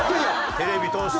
テレビ通して。